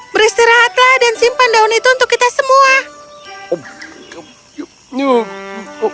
beristirahatlah dan simpan daun itu untuk kita semua